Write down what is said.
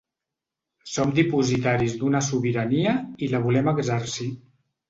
Som dipositaris d’una sobirania i la volem exercir.